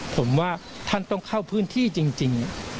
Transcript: ผมว่าท่านต้องเข้าพื้นที่จริง